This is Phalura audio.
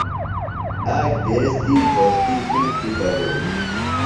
آک دیس تی گھوݜٹی کِݨکیۡ پلیلیۡ۔